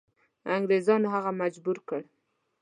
انګریزانو هغه مجبور کړ.